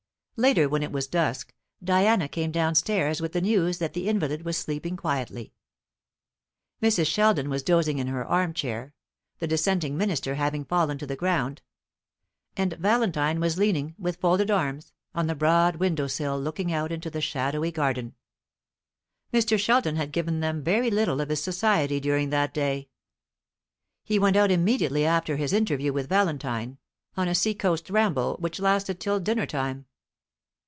Later, when it was dusk, Diana came downstairs with the news that the invalid was sleeping quietly. Mrs. Sheldon was dozing in her arm chair, the Dissenting minister having fallen to the ground; and Valentine was leaning, with folded arms, on the broad window sill looking out into the shadowy garden. Mr. Sheldon had given them very little of his society during that day. He went out immediately after his interview with Valentine, on a sea coast ramble, which lasted till dinner time.